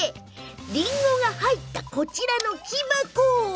りんごが入ったこちらの木箱。